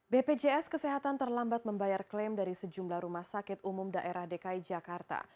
bpjs kesehatan terlambat membayar klaim dari sejumlah rumah sakit umum daerah dki jakarta